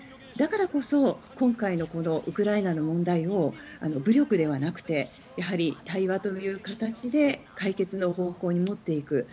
だからこそ今回のウクライナの問題を武力ではなくてやはり対話という形で解決の方向に持っていく。